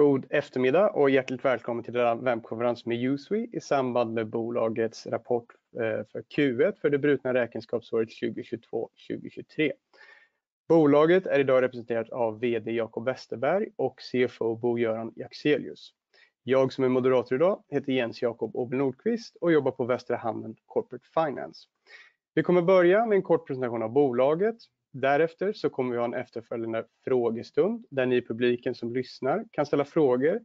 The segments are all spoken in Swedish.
God eftermiddag och hjärtligt välkommen till den här webbkonferensen med USWE i samband med bolagets rapport för Q1 för det brutna räkenskapsåret 2022/2023. Bolaget är i dag representerat av VD Jacob Westerberg och CFO Bo-Göran Jaxelius. Jag som är moderator i dag heter Jens Jacob Åberg Nordqvist och jobbar på Västra Hamnen Corporate Finance. Vi kommer börja med en kort presentation av bolaget. Därefter så kommer vi att ha en efterföljande frågestund där ni i publiken som lyssnar kan ställa frågor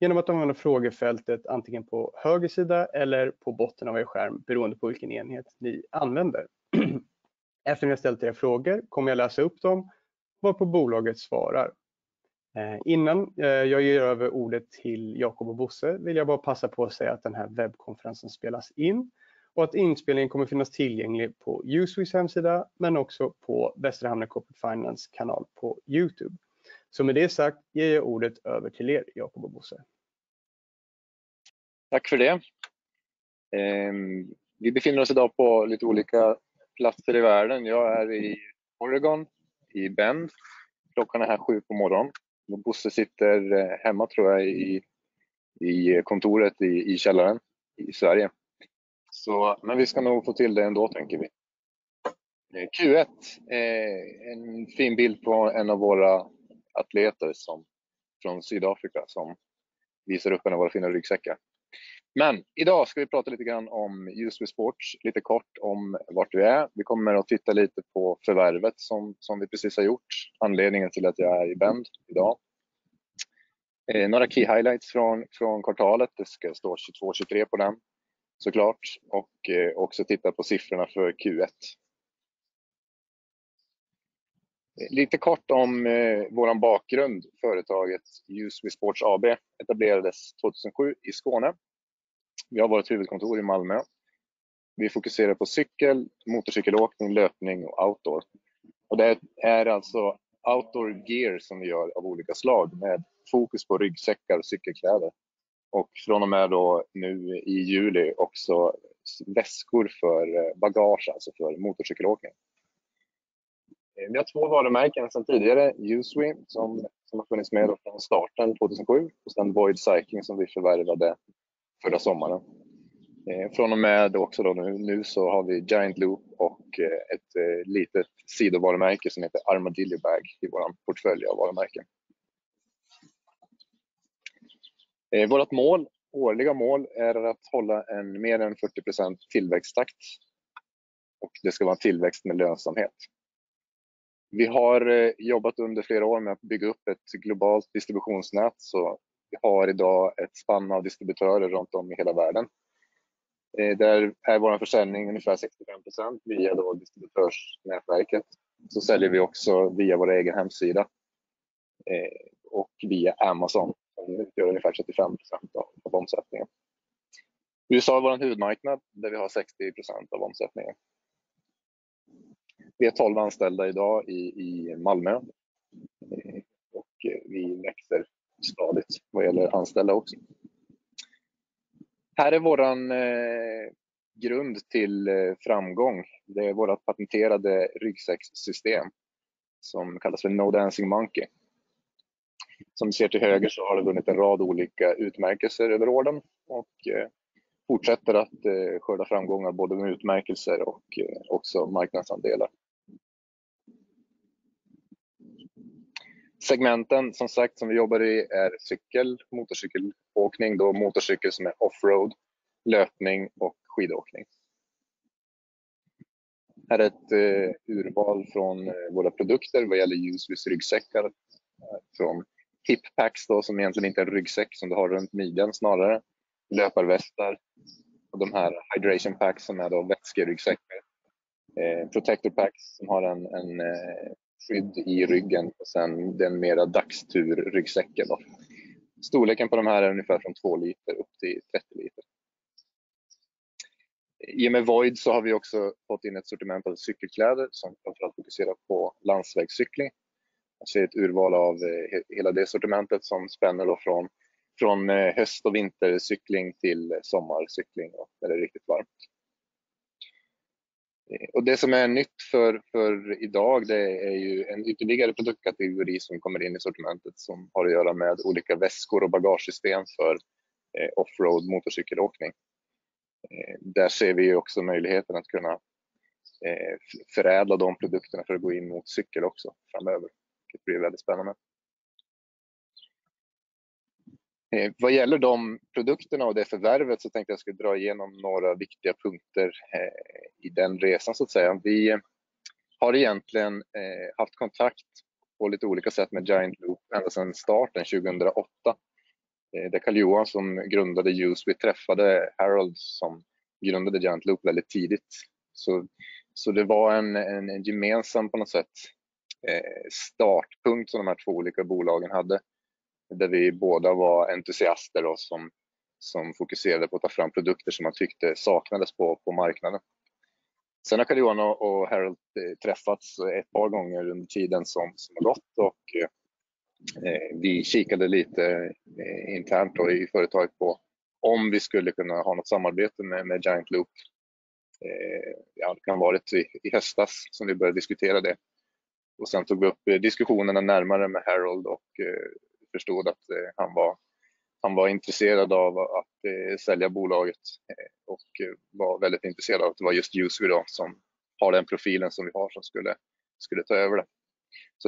genom att använda frågefältet antingen på höger sida eller på botten av er skärm, beroende på vilken enhet ni använder. Efter ni har ställt era frågor kommer jag läsa upp dem varpå bolaget svarar. Innan jag ger över ordet till Jacob och Bosse vill jag bara passa på att säga att den här webbkonferensen spelas in och att inspelningen kommer att finnas tillgänglig på USWE:s hemsida, men också på Västra Hamnen Corporate Finance kanal på YouTube. Med det sagt ger jag ordet över till er, Jacob och Bosse. Tack för det. Vi befinner oss idag på lite olika platser i världen. Jag är i Oregon, i Bend. Klockan är här 7 på morgonen. Bosse sitter hemma, tror jag, i kontoret i källaren i Sverige. Men vi ska nog få till det ändå tänker vi. Q1, en fin bild på en av våra atleter som från Sydafrika som visar upp en av våra fina ryggsäckar. Idag ska vi prata lite grann om USWE Sports, lite kort om vart vi är. Vi kommer att titta lite på förvärvet som vi precis har gjort. Anledningen till att jag är i Bend idag. Några key highlights från kvartalet. Det ska stå 22/23 på den så klart. Vi ska också titta på siffrorna för Q1. Lite kort om vår bakgrund. Företaget USWE Sports AB etablerades 2007 i Skåne. Vi har vårt huvudkontor i Malmö. Vi fokuserar på cykel, motorcykelåkning, löpning och outdoor. Det är alltså outdoor gear som vi gör av olika slag med fokus på ryggsäckar och cykelkläder. Från och med då nu i juli också väskor för bagage, alltså för motorcykelåkning. Vi har två varumärken sedan tidigare, USWE som har funnits med då från starten 2007 och sen Void Cycling som vi förvärvade förra sommaren. Från och med också då nu så har vi Giant Loop och ett litet sidovarumärke som heter Armadillo Bag i vår portfölj av varumärken. Vårt årliga mål är att hålla en mer än 40% tillväxttakt. Det ska vara tillväxt med lönsamhet. Vi har jobbat under flera år med att bygga upp ett globalt distributionsnät, så vi har i dag ett spann av distributörer runt om i hela världen. Där är vår försäljning ungefär 65% via då distributörsnätverket. Så säljer vi också via vår egen hemsida och via Amazon som gör ungefär 35% av omsättningen. USA är vår huvudmarknad där vi har 60% av omsättningen. Vi är 12 anställda i dag i Malmö och vi växer stadigt vad gäller anställda också. Här är vår grund till framgång. Det är vårt patenterade ryggsäckssystem som kallas för No Dancing Monkey. Som ni ser till höger så har det vunnit en rad olika utmärkelser över åren och fortsätter att skörda framgångar, både med utmärkelser och också marknadsandelar. Segmenten som sagt, som vi jobbar i är cykel, motorcykelåkning, då motorcykel som är offroad, löpning och skidåkning. Här är ett urval från våra produkter vad gäller USWE:s ryggsäckar. Från hip packs då som egentligen inte är en ryggsäck som du har runt midjan snarare. Löparvästar och de här hydration packs som är då vätskeryggsäckar. Protector packs som har en skydd i ryggen och sen den mera dagsturryggsäcken då. Storleken på de här är ungefär från 2 liter upp till 30 liter. I och med Void så har vi också fått in ett sortiment av cykelkläder som framför allt fokuserar på landsvägscykling. Man ser ett urval av hela det sortimentet som spänner då från höst och vintercykling till sommarcykling då när det är riktigt varmt. Det som är nytt för i dag, det är ju en ytterligare produktkategori som kommer in i sortimentet som har att göra med olika väskor och bagagesystem för offroad-motorcykelåkning. Där ser vi också möjligheten att kunna förädla de produkterna för att gå in mot cykel också framöver, vilket blir väldigt spännande. Vad gäller de produkterna och det förvärvet så tänkte jag att vi skulle dra igenom några viktiga punkter i den resan så att säga. Vi har egentligen haft kontakt på lite olika sätt med Giant Loop ända sedan starten 2008. Det är Karl-Johan som grundade USWE, träffade Harold, som grundade Giant Loop, väldigt tidigt. Det var en gemensam på något sätt startpunkt som de här två olika bolagen hade, där vi båda var entusiaster då som fokuserade på att ta fram produkter som man tyckte saknades på marknaden. Har Karl-Johan och Harold träffats ett par gånger under tiden som har gått och vi kikade lite internt då i företaget på om vi skulle kunna ha något samarbete med Giant Loop. Det kan ha varit i höstas som vi började diskutera det. Tog vi upp diskussionerna närmare med Harold och förstod att han var intresserad av att sälja bolaget och var väldigt intresserad av att det var just USWE som har den profilen som vi har som skulle ta över det.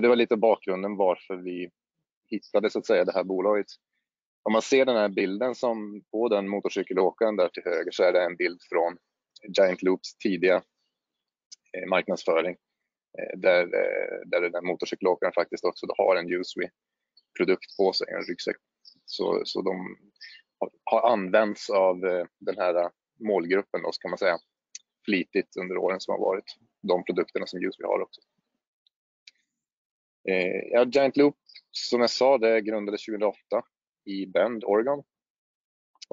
Det var lite bakgrunden varför vi hittade så att säga det här bolaget. Om man ser den här bilden som på den motorcykelåkaren där till höger så är det en bild från Giant Loop's tidiga marknadsföring. Där den motorcykelåkaren faktiskt också har en USWE-produkt på sig, en ryggsäck. De har använts av den här målgruppen då kan man säga flitigt under åren som har varit. De produkterna som USWE har också. Ja Giant Loop, som jag sa, det är grundades 2008 i Bend, Oregon.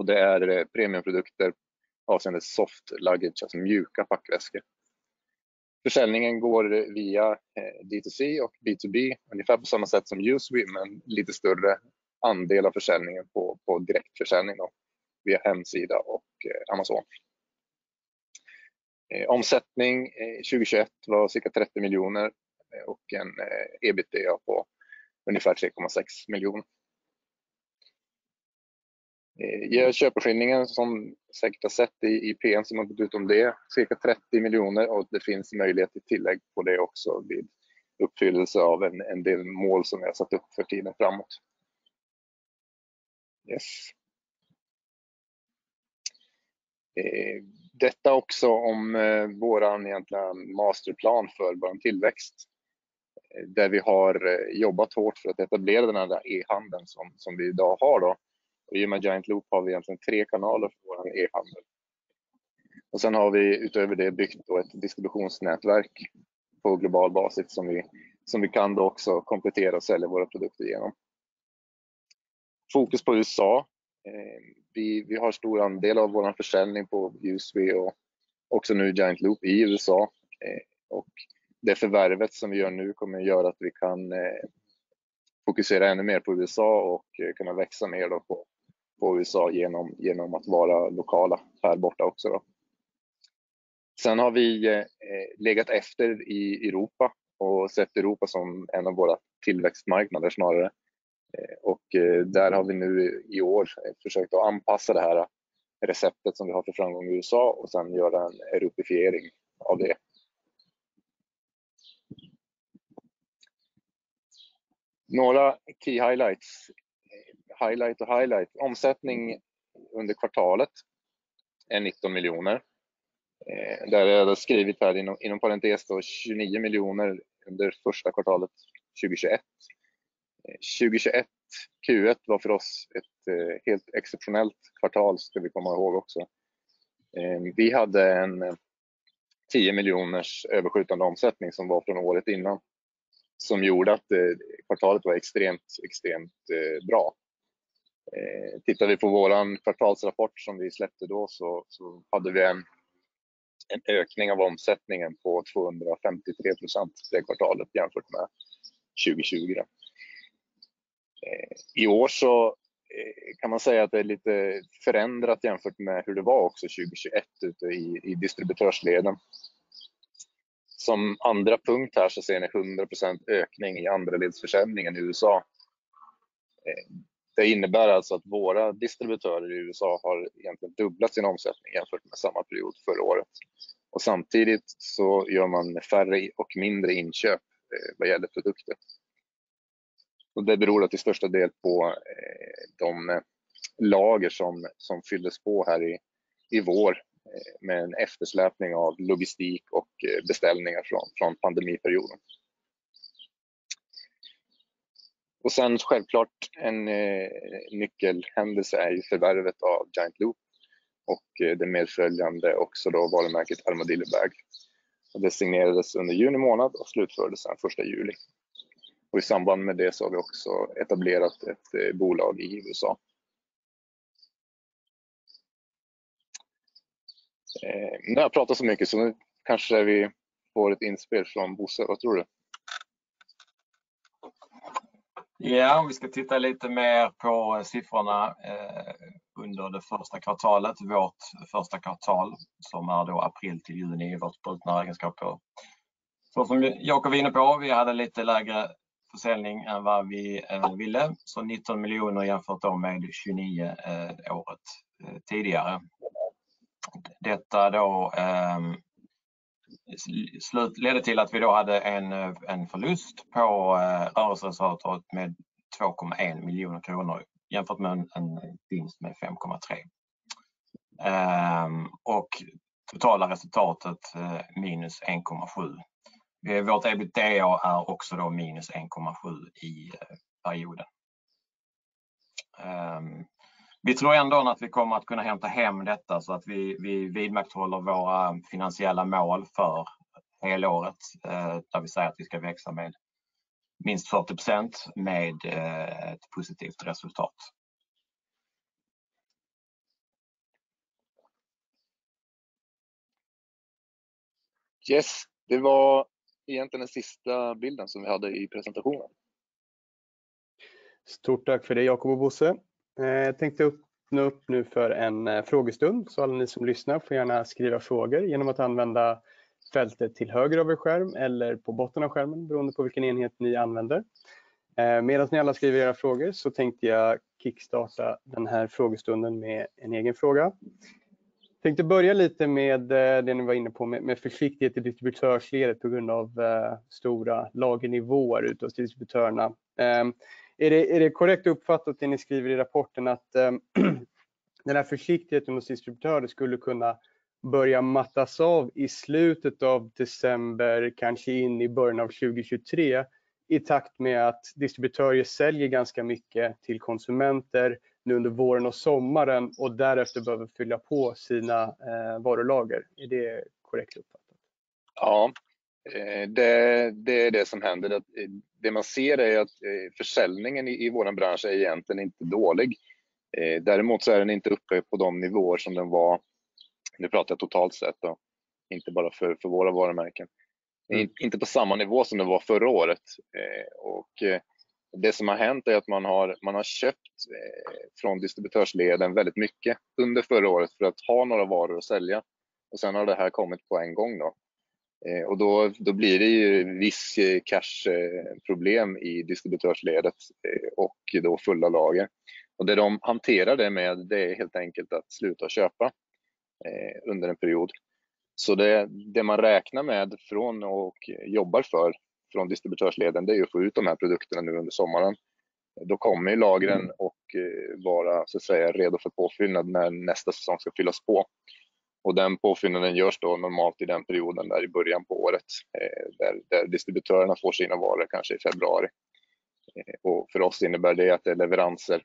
Det är premiumprodukter avseende soft luggage, alltså mjuka packväskor. Försäljningen går via D2C och B2B, ungefär på samma sätt som USWE, men lite större andel av försäljningen på direktförsäljning då via hemsida och Amazon. Omsättning 2021 var cirka SEK 30 miljoner och en EBITDA på ungefär SEK 3.6 miljoner. Köpeskillingen som ni säkert har sett i PM som har gått ut om det, cirka SEK 30 miljoner. Det finns möjlighet till tillägg på det också vid uppfyllelse av en del mål som vi har satt upp för tiden framåt. Yes. Detta också om vår egentliga masterplan för vår tillväxt, där vi har jobbat hårt för att etablera den här e-handeln som vi i dag har då. I och med Giant Loop har vi egentligen tre kanaler för vår e-handel. Sen har vi utöver det byggt då ett distributionsnätverk på global basis som vi kan då också komplettera och sälja våra produkter igenom. Fokus på USA. Vi har stor andel av vår försäljning på USWE och också nu Giant Loop i USA. Det förvärvet som vi gör nu kommer att göra att vi kan fokusera ännu mer på USA och kunna växa mer då på USA genom att vara lokala här borta också då. Sen har vi legat efter i Europa och sett Europa som en av våra tillväxtmarknader snarare. Där har vi nu i år försökt att anpassa det här receptet som vi har för framgång i USA och sen göra en europeifiering av det. Några key highlights. Highlight och highlight. Omsättning under kvartalet är SEK 19 miljoner. Där jag då har skrivit här inom parentes (SEK 29 miljoner) under första kvartalet 2021. 2021 Q1 var för oss ett helt exceptionellt kvartal ska vi komma ihåg också. Vi hade en SEK 10 miljoners överskjutande omsättning som var från året innan, som gjorde att kvartalet var extremt bra. Tittar vi på vår kvartalsrapport som vi släppte då så hade vi en ökning av omsättningen på 253% det kvartalet jämfört med 2020. I år så kan man säga att det är lite förändrat jämfört med hur det var också 2021 ute i distributörsleden. Som andra punkt här så ser ni 100% ökning i andraledsförsäljningen i USA. Det innebär alltså att våra distributörer i USA har egentligen dubblat sin omsättning jämfört med samma period förra året. Samtidigt så gör man färre och mindre inköp vad gäller produkter. Det beror då till största del på de lager som fylldes på här i vår med en eftersläpning av logistik och beställningar från pandemiperioden. Sen självklart en nyckelhändelse är ju förvärvet av Giant Loop och det medföljande också då varumärket Armadillo Bag. Det signerades under juni månad och slutfördes den första juli. I samband med det så har vi också etablerat ett bolag i USA. Nu har jag pratat så mycket, så nu kanske vi får ett inspel från Bosse. Vad tror du? Vi ska titta lite mer på siffrorna under det första kvartalet, vårt första kvartal, som är då april till juni i vårt brutna räkenskapår. Som Jacob var inne på, vi hade lite lägre försäljning än vad vi ville. SEK 19 million jämfört då med SEK 29 million året tidigare. Detta då ledde till att vi då hade en förlust på rörelseresultatet med SEK 2.1 million jämfört med en vinst med 5.3. Totala resultatet -1.7. Vårt EBITDA är också då -1.7 i perioden. Vi tror ändå att vi kommer att kunna hämta hem detta så att vi vidmakthålla våra finansiella mål för helåret, där vi säger att vi ska växa med minst 40% med ett positivt resultat. Yes, det var egentligen den sista bilden som vi hade i presentationen. Stort tack för det, Jacob och Bo-Göran. Jag tänkte öppna upp nu för en frågestund så alla ni som lyssnar får gärna skriva frågor genom att använda fältet till höger av er skärm eller på botten av skärmen, beroende på vilken enhet ni använder. Medan ni alla skriver era frågor så tänkte jag kickstarta den här frågestunden med en egen fråga. Tänkte börja lite med det ni var inne på med försiktighet i distributörsledet på grund av stora lagernivåer utav distributörerna. Är det korrekt uppfattat det ni skriver i rapporten att den här försiktigheten hos distributörer skulle kunna börja mattas av i slutet av december, kanske in i början av 2023, i takt med att distributörer säljer ganska mycket till konsumenter nu under våren och sommaren och därefter behöver fylla på sina varulager. Är det korrekt uppfattat? Ja, det är det som händer. Det man ser är att försäljningen i vår bransch är egentligen inte dålig. Däremot så är den inte uppe på de nivåer som den var. Nu pratar jag totalt sett då, inte bara för våra varumärken. Inte på samma nivå som det var förra året. Och det som har hänt är att man har köpt från distributörsleden väldigt mycket under förra året för att ha några varor att sälja. Och sen har det här kommit på en gång då. Och då blir det ju viss cash problem i distributörsledet och då fulla lager. Och det de hanterar med, det är helt enkelt att sluta köpa under en period. Så det man räknar med från och jobbar för från distributörsleden, det är att få ut de här produkterna nu under sommaren. Kommer lagren och vara så att säga redo för påfyllnad när nästa säsong ska fyllas på. Den påfyllnaden görs då normalt i den perioden där i början på året, där distributörerna får sina varor kanske i februari. För oss innebär det att det är leveranser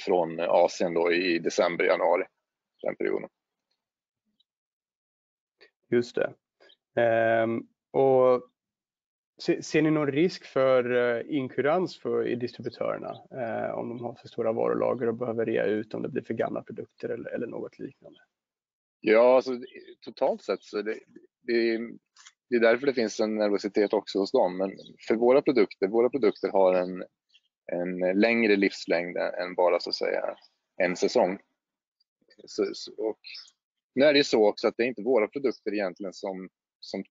från Asien då i december, januari, den perioden. Just det. Ser ni någon risk för inkurans för distributörerna om de har för stora varulager och behöver rea ut om det blir för gamla produkter eller något liknande? Alltså, totalt sett, det är därför det finns en nervositet också hos dem. Men för våra produkter, våra produkter har en längre livslängd än bara så att säga en säsong. Och nu är det ju så också att det är inte våra produkter egentligen som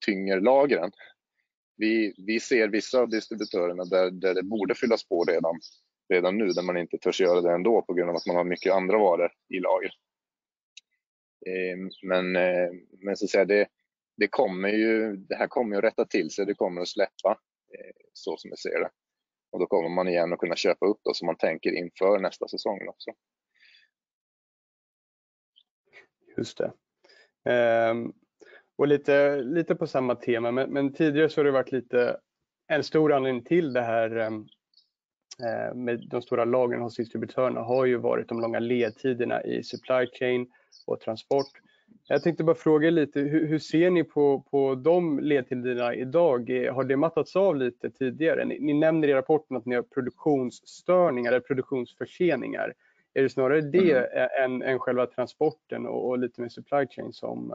tynger lagren. Vi ser vissa av distributörerna där det borde fyllas på redan nu, där man inte törs göra det ändå på grund av att man har mycket andra varor i lagret. Men så att säga, det kommer ju, det här kommer att rätta till sig, det kommer att släppa så som jag ser det. Då kommer man igen att kunna köpa upp som man tänker inför nästa säsongen också. Just det. Och lite på samma tema. Men tidigare så har det varit lite en stor anledning till det här med de stora lagren hos distributörerna har ju varit de långa ledtiderna i supply chain och transport. Jag tänkte bara fråga er lite, hur ser ni på de ledtiderna i dag? Har det mattats av lite tidigare? Ni nämner i rapporten att ni har produktionsstörningar eller produktionsförseningar. Är det snarare det än själva transporten och lite mer supply chain som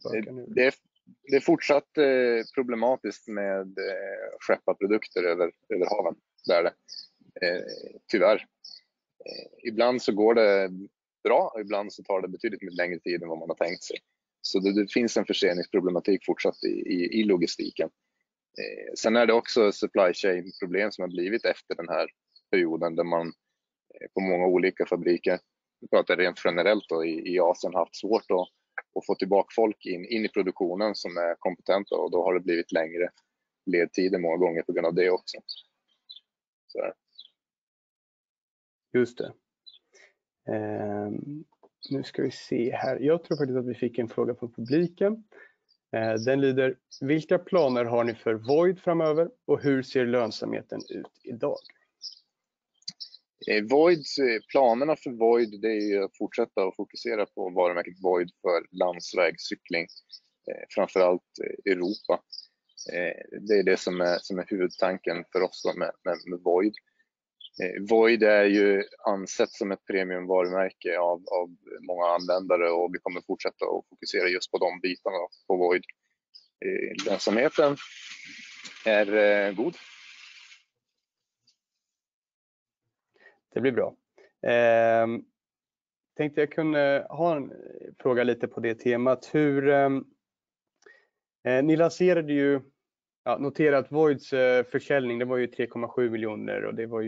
spökar nu? Det är fortsatt problematiskt med att skeppa produkter över haven. Det är det, tyvärr. Ibland så går det bra, ibland så tar det betydligt mycket längre tid än vad man har tänkt sig. Det finns en förseningproblematik fortsatt i logistiken. Ä r det också supply chain problem som har blivit efter den här perioden där man på många olika fabriker, nu pratar jag rent generellt då i Asien, haft svårt att få tillbaka folk in i produktionen som är kompetenta. Då har det blivit längre ledtider många gånger på grund av det också. Just det. Nu ska vi se här. Jag tror faktiskt att vi fick en fråga från publiken. Den lyder: Vilka planer har ni för Void framöver och hur ser lönsamheten ut i dag? Void, planerna för Void, det är att fortsätta att fokusera på varumärket Void för landsvägscykling, framför allt Europa. Det är det som är huvudtanken för oss då med Void. Void är ju ansett som ett premiumvarumärke av många användare och vi kommer fortsätta att fokusera just på de bitarna på Void. Lönsamheten är god. Det blir bra. Tänkte jag kunde ha en fråga lite på det temat. Ni lanserade ju, ja notera att Void's försäljning, det var ju SEK 3.7 million och det var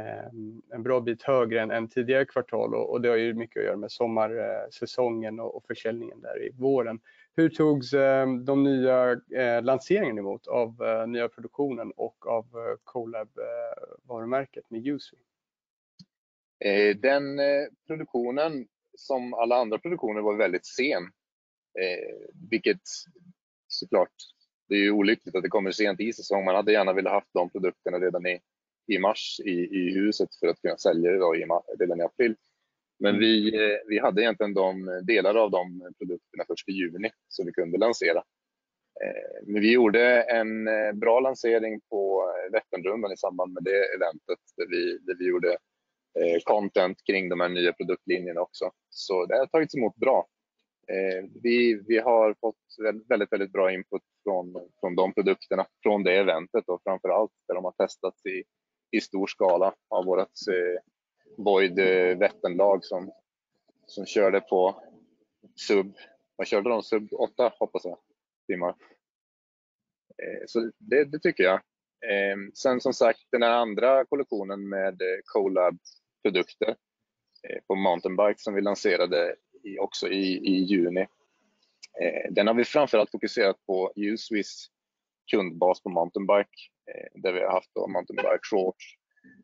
ju en bra bit högre än tidigare kvartal. Det har ju mycket att göra med sommarsäsongen och försäljningen där i våren. Hur togs de nya lanseringarna emot av nya produktionen och av co-lab varumärket med Juice? Den produktionen som alla andra produktioner var väldigt sen. Vilket så klart, det är ju olyckligt att det kommer sent i säsongen. Man hade gärna velat haft de produkterna redan i mars i huset för att kunna sälja det då i delen i april. Vi hade egentligen de delar av de produkterna först i juni som vi kunde lansera. Vi gjorde en bra lansering på Vätternrundan i samband med det eventet. Där vi gjorde content kring de här nya produktlinjerna också. Det har tagits emot bra. Vi har fått väldigt bra input från de produkterna, från det eventet då framför allt, där de har testats i stor skala av vårt Vättern-lag som körde på sub åtta timmar, hoppas jag. Det tycker jag. Som sagt, den här andra kollektionen med co-lab-produkter på mountainbike som vi lanserade i juni. Den har vi framför allt fokuserat på USWE:s kundbas på mountainbike, där vi har haft mountainbike shorts,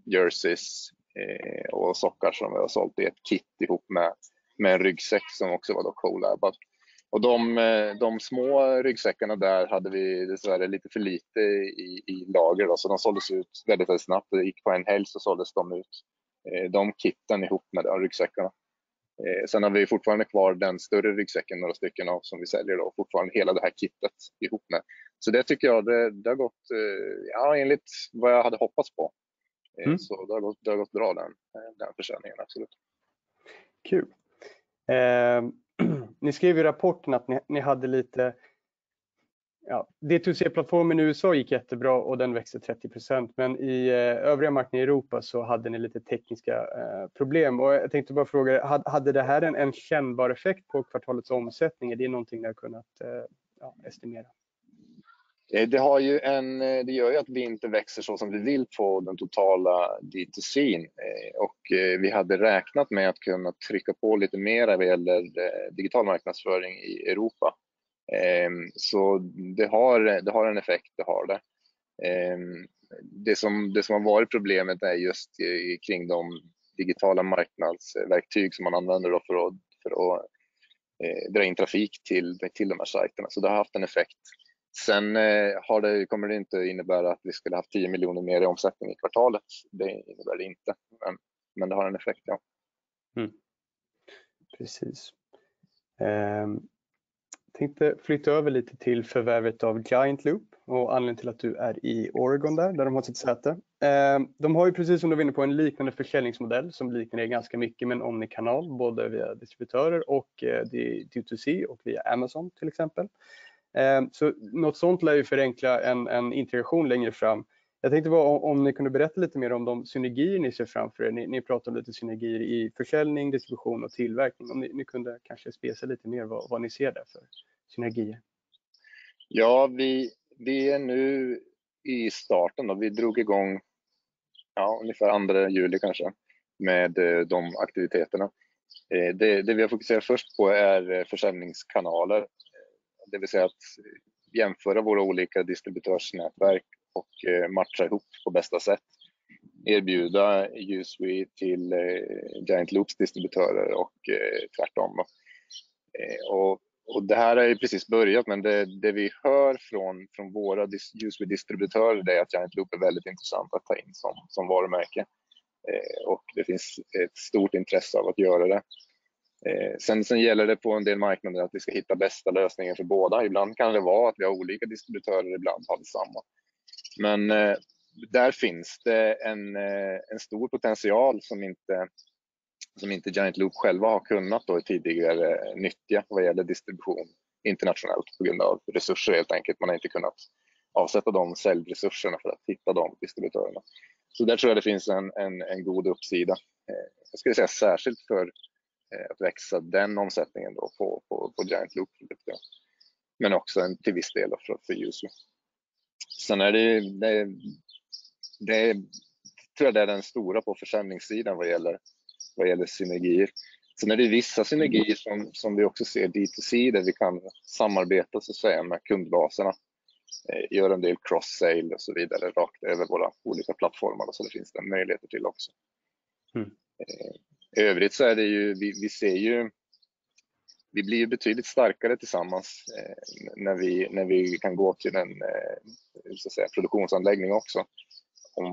jerseys, och sockor som vi har sålt i ett kit ihop med en ryggsäck som också var då co-lab. De små ryggsäckarna där hade vi dessvärre lite för lite i lager. De såldes ut väldigt snabbt. Det gick på en helg så såldes de ut de kiten ihop med de ryggsäckarna. Har vi fortfarande kvar den större ryggsäcken, några stycken av, som vi säljer då fortfarande hela det här kitet ihop med. Det tycker jag det har gått ja enligt vad jag hade hoppats på. Det har gått bra den försäljningen, absolut. Kul. Ni skrev i rapporten att ni hade lite D2C-plattformen i USA gick jättebra och den växte 30%. I övriga marknader i Europa så hade ni lite tekniska problem. Jag tänkte bara fråga er, hade det här en kännbar effekt på kvartalets omsättning? Är det någonting ni har kunnat estimera? Det gör ju att vi inte växer så som vi vill på den totala D2C:n. Vi hade räknat med att kunna trycka på lite mer vad gäller digital marknadsföring i Europa. Det har en effekt. Det som har varit problemet är just kring de digitala marknadsverktyg som man använder då för att dra in trafik till de här sajterna. Det har haft en effekt. Det kommer inte innebära att vi skulle ha haft SEK 10 miljoner mer i omsättning i kvartalet. Det innebär det inte, men det har en effekt, ja. Precis. Tänkte flytta över lite till förvärvet av Giant Loop och anledningen till att du är i Oregon där de har sitt säte. De har ju precis som du var inne på en liknande försäljningsmodell som liknar er ganska mycket med en omnikanal, både via distributörer och D2C och via Amazon till exempel. Så något sånt lär ju förenkla en integration längre fram. Jag tänkte bara om ni kunde berätta lite mer om de synergier ni ser framför er. Ni pratar om lite synergier i försäljning, distribution och tillverkning. Om ni kunde kanske speca lite mer vad ni ser där för synergier. Vi är nu i starten då. Vi drog igång ungefär andra juli kanske med de aktiviteterna. Det vi har fokuserat först på är försäljningskanaler. Det vill säga att jämföra våra olika distributörsnätverk och matcha ihop på bästa sätt. Erbjuda USWE till Giant Loop's distributörer och tvärtom då. Och det här har ju precis börjat, men det vi hör från våra USWE-distributörer det är att Giant Loop är väldigt intressant att ta in som varumärke. Och det finns ett stort intresse av att göra det. Sen gäller det på en del marknader att vi ska hitta bästa lösningen för båda. Ibland kan det vara att vi har olika distributörer, ibland samma. Där finns det en stor potential som inte Giant Loop själva har kunnat då tidigare nyttja vad gäller distribution internationellt på grund av resurser helt enkelt. Man har inte kunnat avsätta de säljresurserna för att hitta de distributörerna. Där tror jag det finns en god uppsida. Jag skulle säga särskilt för att växa den omsättningen då på Giant Loop-produkterna, men också till viss del för USWE. Det tror jag det är den stora på försäljningssidan vad gäller synergier. Det är vissa synergier som vi också ser D2C där vi kan samarbeta så att säga med kundbaserna, göra en del cross-sell och så vidare rakt över våra olika plattformar. Det finns möjligheter till också. I övrigt så är det ju vi ser ju vi blir ju betydligt starkare tillsammans när vi kan gå till en så att säga produktionsanläggning också.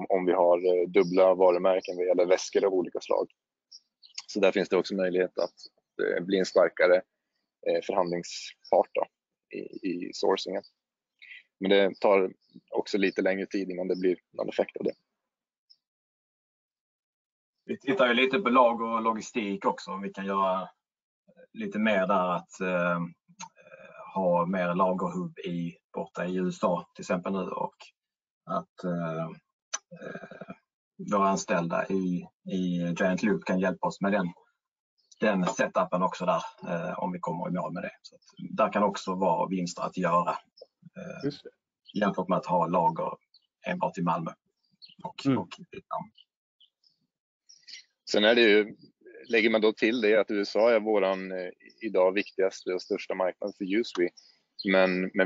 Om vi har dubbla varumärken vad gäller väskor av olika slag. Där finns det också möjlighet att bli en starkare förhandlingspart då i sourcingen. Det tar också lite längre tid innan det blir någon effekt av det. Vi tittar ju lite på lager och logistik också, om vi kan göra lite mer där att ha mer lagerhubb i borta i USA till exempel nu. Och att våra anställda i Giant Loop kan hjälpa oss med den set upen också där, om vi kommer i mål med det. Så att där kan också vara vinster att göra, jämfört med att ha lager enbart i Malmö och Vietnam. Lägger man då till det att USA är vår idag viktigaste och största marknad för USWE.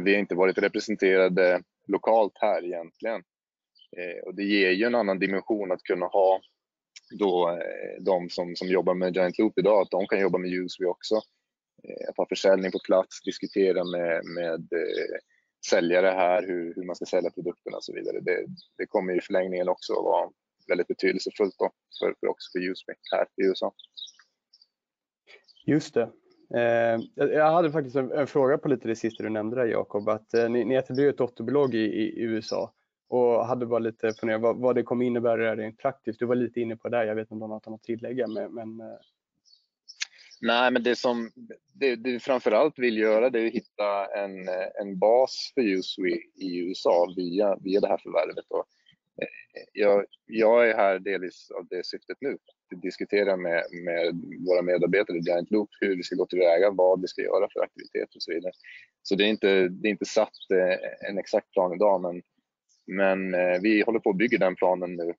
Vi har inte varit representerade lokalt här egentligen. Det ger ju en annan dimension att kunna ha de som jobbar med Giant Loop idag, att de kan jobba med USWE också, ha försäljning på plats, diskutera med säljare här hur man ska sälja produkterna och så vidare. Det kommer i förlängningen också vara väldigt betydelsefullt då också för USWE här i USA. Just det. Jag hade faktiskt en fråga på lite det sista du nämnde där, Jacob, att ni äger ju ett dotterbolag i USA och hade bara lite funderingar vad det kommer innebära rent praktiskt. Du var lite inne på det. Jag vet inte om du har något att tillägga, men. Nej, men det du framför allt vill göra är att hitta en bas för USWE i USA via det här förvärvet. Jag är här delvis av det syftet nu. Att diskutera med våra medarbetare i Giant Loop hur vi ska gå tillväga, vad vi ska göra för aktiviteter och så vidare. Det är inte satt en exakt plan idag, men vi håller på och bygger den planen nu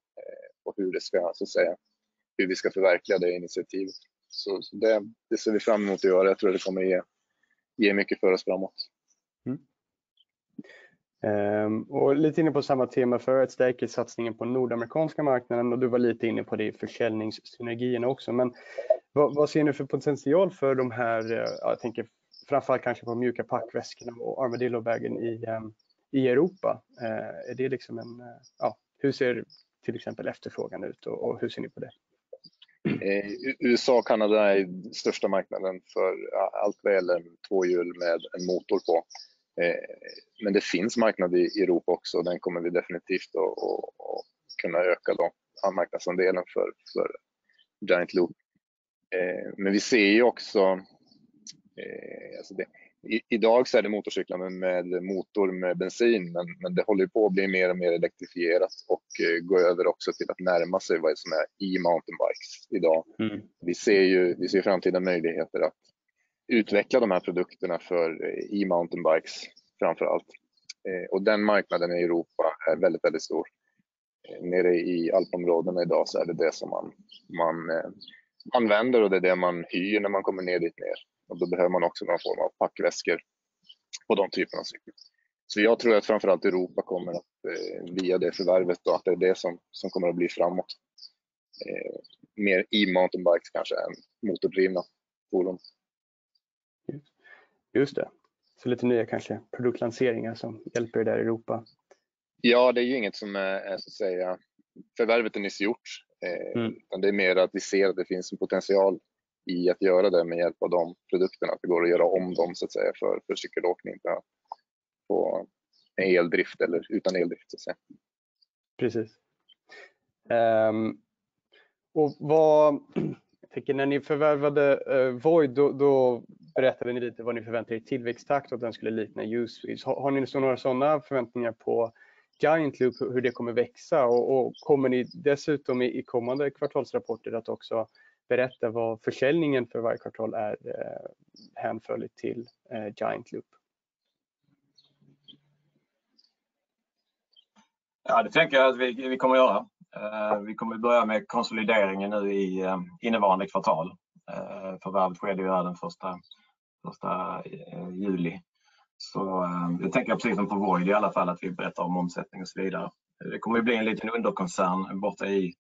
på hur det ska så att säga förverkliga det initiativet. Det ser vi fram emot att göra. Jag tror det kommer ge mycket för oss framåt. Lite inne på samma tema för att stärka satsningen på nordamerikanska marknaden. Du var lite inne på det, försäljningssynergierna också. Vad ser ni för potential för de här, ja jag tänker framför allt kanske på mjuka packväskorna och Armadillo Bag i Europa? Är det liksom en, ja, hur ser till exempel efterfrågan ut och hur ser ni på det? USA och Kanada är största marknaden för allt vad gäller två hjul med en motor på. Det finns marknad i Europa också. Den kommer vi definitivt att kunna öka den marknadsandelen för Giant Loop. Vi ser ju också, alltså i dag så är det motorcyklarna med motor med bensin, men det håller ju på att bli mer och mer elektrifierat och går över också till att närma sig vad som är e-mountain bikes i dag. Vi ser framtida möjligheter att utveckla de här produkterna för e-mountain bikes framför allt. Den marknaden i Europa är väldigt stor. Nere i Alpområdena i dag så är det som man använder och det är det man hyr när man kommer ner dit. Då behöver man också någon form av packväskor på de typerna av cyklar. Jag tror att framför allt Europa kommer att via det förvärvet då att det är det som kommer att bli framåt. Mer e-mountainbikes kanske än motordrivna fordon. Just det. Lite nya kanske produktlanseringar som hjälper er där i Europa. Ja, det är ju inget som är så att säga. Förvärvet är nyss gjort. Det är mer att vi ser att det finns en potential i att göra det med hjälp av de produkterna. Det går att göra om dem så att säga för cykelåkning på eldrift eller utan eldrift så att säga. Precis. Jag tänker när ni förvärvade Void, då berättade ni lite vad ni förväntar er i tillväxttakt, att den skulle likna USWE:s. Har ni några sådana förväntningar på Giant Loop, hur det kommer växa? Kommer ni dessutom i kommande kvartalsrapporter att också berätta vad försäljningen för varje kvartal är hänförligt till Giant Loop? Ja, det tänker jag att vi kommer att göra. Vi kommer börja med konsolideringen nu i innevarande kvartal. Förvärvet skedde ju den första juli. Jag tänker precis som för Void i alla fall att vi berättar om omsättning och så vidare. Det kommer bli en liten underkoncern borta i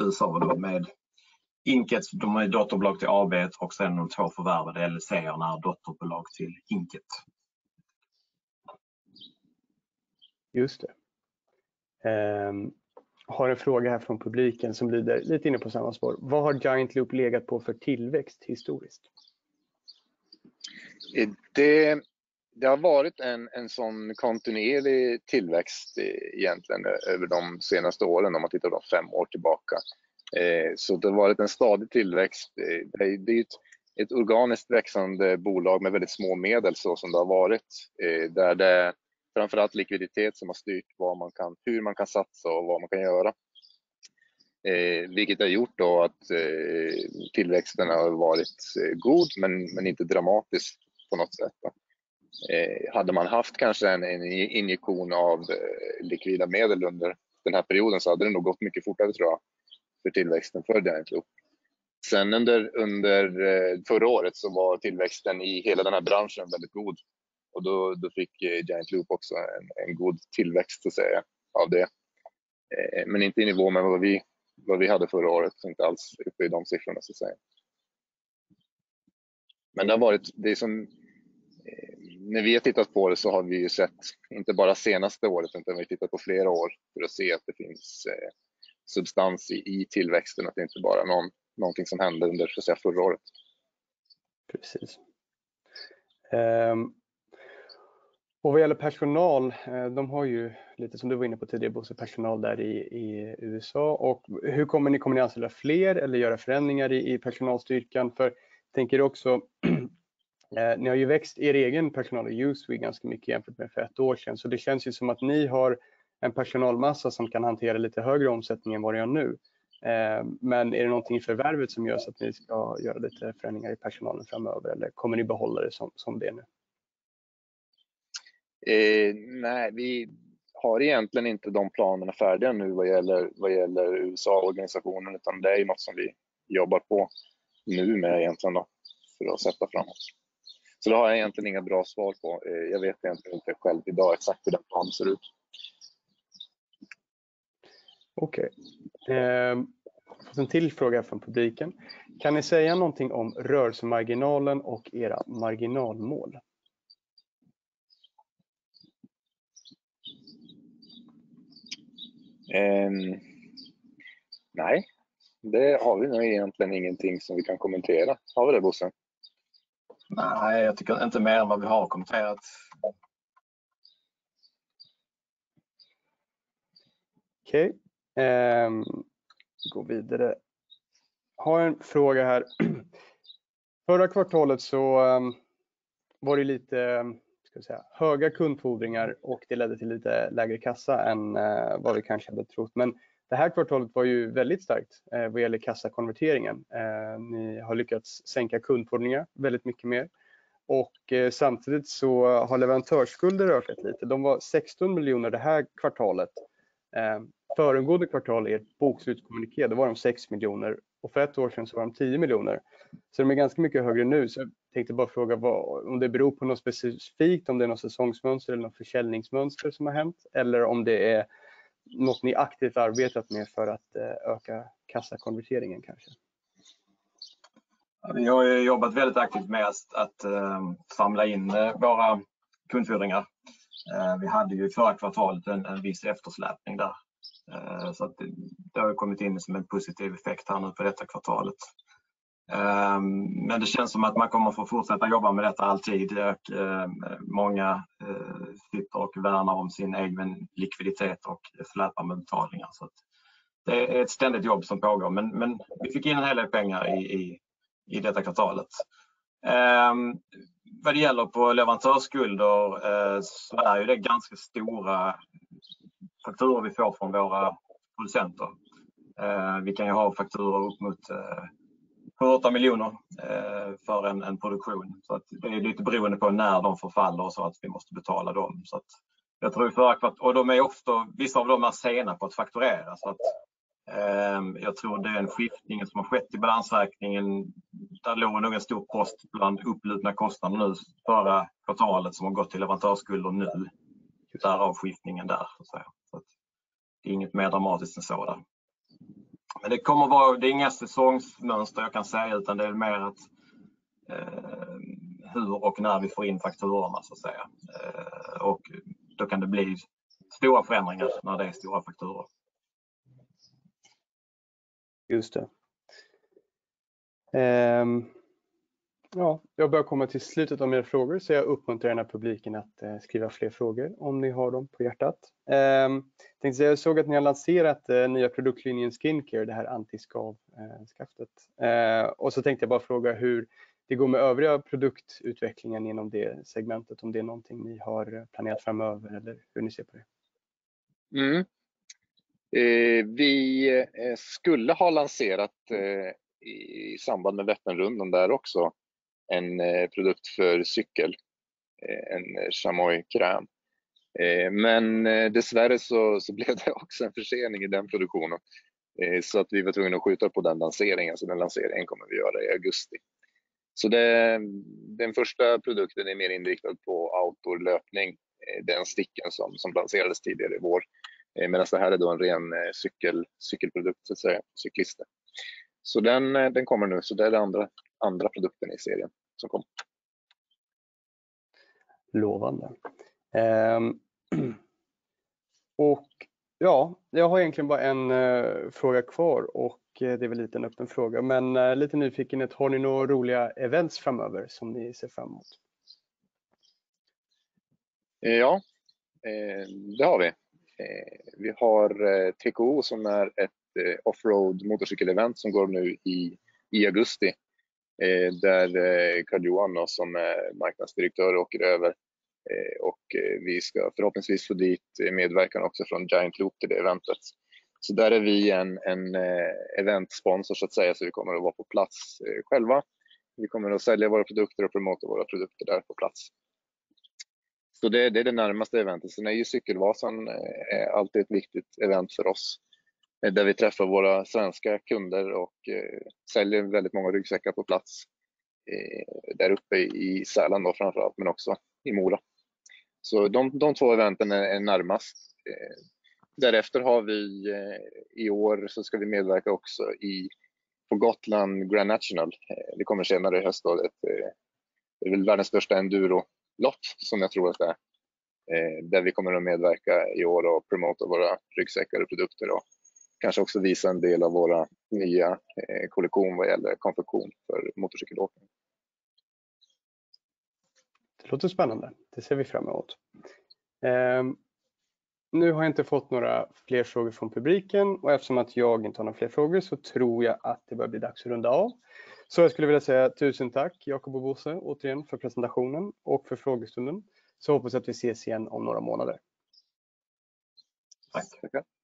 USA med USWE Inc. De är dotterbolag till AB:t och sen de två förvärvade LLC:arna är dotterbolag till USWE Inc. Just det. Har en fråga här från publiken som lyder lite inne på samma spår: Vad har Giant Loop legat på för tillväxt historiskt? Det har varit en sådan kontinuerlig tillväxt egentligen över de senaste åren, om man tittar då 5 år tillbaka. Det har varit en stadig tillväxt. Det är ju ett organiskt växande bolag med väldigt små medel, så som det har varit. Där det är framför allt likviditet som har styrt var man kan, hur man kan satsa och vad man kan göra. Vilket har gjort då att tillväxten har varit god, men inte dramatisk på något sätt då. Hade man haft kanske en injektion av likvida medel under den här perioden så hade det nog gått mycket fortare tror jag för tillväxten för Giant Loop. Under förra året var tillväxten i hela den här branschen väldigt god och då fick Giant Loop också en god tillväxt så att säga av det. Inte i nivå med vad vi hade förra året. Inte alls uppe i de siffrorna så att säga. Det har varit. När vi har tittat på det så har vi ju sett inte bara senaste året, utan vi har tittat på flera år för att se att det finns substans i tillväxten. Att det inte bara är någon, någonting som hände under så att säga förra året. Precis. Vad gäller personal, de har ju lite som du var inne på tidigare Bosse, personal där i USA. Hur kommer ni? Kommer ni anställa fler eller göra förändringar i personalstyrkan? För jag tänker också ni har ju växt er egen personal i USWE ganska mycket jämfört med för ett år sedan. Det känns ju som att ni har en personalmassa som kan hantera lite högre omsättning än vad ni har nu. Är det någonting i förvärvet som gör så att ni ska göra lite förändringar i personalen framöver? Eller kommer ni behålla det som det är nu? Nej, vi har egentligen inte de planerna färdiga nu vad gäller USA-organisationen, utan det är något som vi jobbar på nu med egentligen då för att sätta framåt. Det har jag egentligen inga bra svar på. Jag vet egentligen inte själv i dag exakt hur den planen ser ut. Okej. En till fråga från publiken: Kan ni säga någonting om rörelsemarginalen och era marginalmål? Nej, det har vi nog egentligen ingenting som vi kan kommentera. Har vi det, Bosse? Nej, jag tycker inte mer än vad vi har kommenterat. Okej, går vidare. Har en fråga här. Förra kvartalet så var det lite, ska vi säga, höga kundfordringar och det ledde till lite lägre kassa än vad vi kanske hade trott. Men det här kvartalet var ju väldigt starkt vad gäller kassakonverteringen. Ni har lyckats sänka kundfordringar väldigt mycket mer och samtidigt så har leverantörsskulder rört sig lite. De var SEK 16 miljoner det här kvartalet. Föregående kvartal i ert bokslutskommuniké, då var de SEK 6 miljoner och för ett år sen så var de SEK 10 miljoner. Så de är ganska mycket högre nu. Så jag tänkte bara fråga om det beror på något specifikt, om det är något säsongsmönster eller något försäljningsmönster som har hänt eller om det är något ni aktivt arbetat med för att öka kassakonverteringen kanske? Vi har jobbat väldigt aktivt med att samla in våra kundfordringar. Vi hade ju förra kvartalet en viss eftersläpning där. Det har kommit in som en positiv effekt här nu för detta kvartalet. Det känns som att man kommer att få fortsätta jobba med detta alltid. Många sitter och värnar om sin egen likviditet och släpar med betalningar. Det är ett ständigt jobb som pågår. Vi fick in en hel del pengar i detta kvartalet. Vad det gäller på leverantörsskulder så är ju det ganska stora fakturor vi får från våra producenter. Vi kan ju ha fakturor upp mot SEK 7 million-SEK 8 million för en produktion. Det är lite beroende på när de förfaller så att vi måste betala dem. De är ofta, vissa av dem är sena på att fakturera. Att jag tror det är en skiftning som har skett i balansräkningen. Där låg nog en stor post bland upplupna kostnader nu förra kvartalet som har gått till leverantörsskulder nu. Därav skiftningen där så att säga. Det är inget mer dramatiskt än så där. Det kommer vara, det är inga säsongsmönster jag kan säga, utan det är mer att hur och när vi får in fakturorna så att säga. Då kan det bli stora förändringar när det är stora fakturor. Just det. Ja, jag börjar komma till slutet av mina frågor så jag uppmuntrar gärna publiken att skriva fler frågor om ni har dem på hjärtat. Tänkte säga, jag såg att ni har lanserat nya produktlinjen Body Care, det här anti-skav stick. Tänkte jag bara fråga hur det går med övriga produktutvecklingen inom det segmentet, om det är någonting ni har planerat framöver eller hur ni ser på det. Vi skulle ha lanserat i samband med Vätternrundan där också en produkt för cykel, en chamois cream. Men dessvärre så blev det också en försening i den produktionen. Så att vi var tvungna att skjuta på den lanseringen. Så den lanseringen kommer vi göra i augusti. Så det, den första produkten är mer inriktad på outdoor löpning, den stick som lanserades tidigare i vår. Medans det här är då en ren cykelprodukt så att säga, cyklister. Så den kommer nu. Så det är den andra produkten i serien som kom. Lovande. Ja, jag har egentligen bara en fråga kvar och det är väl lite en öppen fråga, men lite nyfikenhet. Har ni några roliga events framöver som ni ser fram emot? Ja, det har vi. Vi har TKO som är ett offroad motorcykelevent som går nu i augusti, där Karl-Johan Wendel som är marknadsdirektör åker över och vi ska förhoppningsvis få dit medverkan också från Giant Loop till det eventet. Där är vi en eventsponsor så att säga, så vi kommer att vara på plats själva. Vi kommer att sälja våra produkter och promota våra produkter där på plats. Det är det närmaste eventet. Cykelvasan är alltid ett viktigt event för oss, där vi träffar våra svenska kunder och säljer väldigt många ryggsäckar på plats, däruppe i Sälen då framför allt, men också i Mora. De två eventen är närmast. Därefter har vi i år så ska vi medverka också i på Gotland Grand National. Det kommer senare i höst då. Det är väl världens största endurolopp som jag tror att det är, där vi kommer att medverka i år och promota våra ryggsäckar och produkter och kanske också visa en del av våra nya kollektion vad gäller konfektion för motorcykelåkning. Det låter spännande. Det ser vi fram emot. Nu har jag inte fått några fler frågor från publiken och eftersom att jag inte har några fler frågor så tror jag att det börjar bli dags att runda av. Jag skulle vilja säga tusen tack Jacob och Bo-Göran återigen för presentationen och för frågestunden. Hoppas jag att vi ses igen om några månader. Tack.